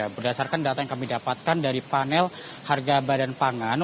berdasarkan data yang kami dapatkan dari panel harga badan pangan